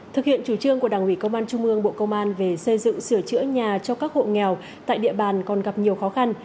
thực hiện chủ trương của đảng ủy công an trung ương bộ công an về xây dựng sửa chữa nhà cho các hộ nghèo tại địa bàn còn gặp nhiều khó khăn